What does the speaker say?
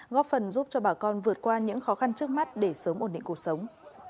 góp phần giúp cho bà con vượt qua những khó khăn trước mắt để sớm ổn định cuộc sống